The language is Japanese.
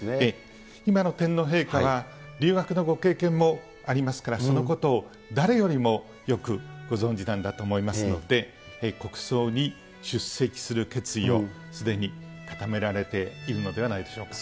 今の天皇陛下は、留学のご経験もありますから、そのことを誰よりもよくご存じなんだと思いますから、国葬に出席する決意をすでに固められているのではないでしょうか。